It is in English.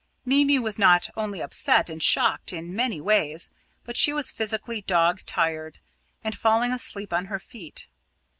Mimi was not only upset and shocked in many ways, but she was physically "dog tired," and falling asleep on her feet.